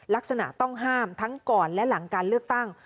ลักษณะต้องห้ามทั้งก่อนและหลังการเลือกตั้ง